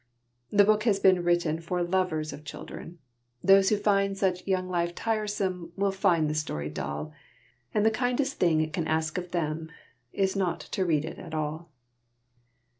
The book has been written for lovers of children. Those who find such young life tiresome will find the story dull, and the kindest thing it can ask of them is not to read it at all.